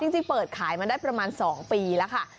จริงเปิดขายมาได้ประมาณ๒ปีแล้วค่ะ